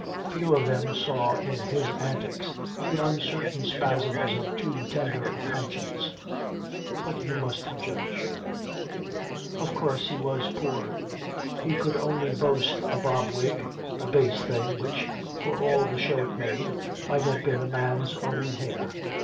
Few of them saw in his antics the uncertain spasms of too tender a conscience. But you must judge. Of course he was poor. He could only boast a bob wig, a base thing, which, for all the show it made, might have been a man's own hair.